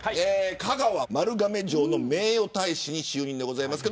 香川、丸亀城の名誉大使に就任です。